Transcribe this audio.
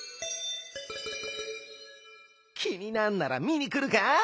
きになんならみにくるか？